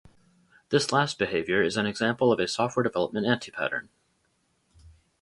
This last behavior is an example of a software development anti-pattern.